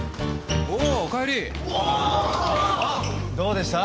どうでした？